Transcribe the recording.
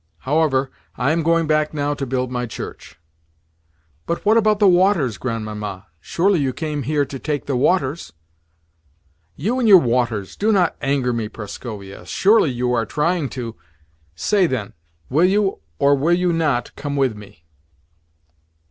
However, I am going back now to build my church." "But what about the waters, Grandmamma? Surely you came here to take the waters?" "You and your waters! Do not anger me, Prascovia. Surely you are trying to? Say, then: will you, or will you not, come with me?"